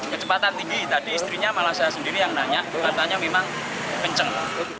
kecepatan tinggi tadi istrinya malah saya sendiri yang nanya katanya memang kenceng